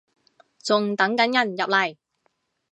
仲等緊人入嚟